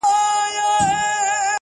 آزمېیل یې په زندان کي هره څوکه -